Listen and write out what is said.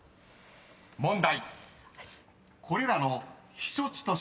［問題］